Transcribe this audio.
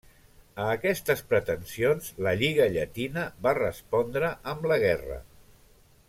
A aquestes pretensions la lliga llatina va respondre amb la guerra.